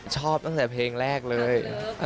ชอบตั้งแต่เพลงแรกเลย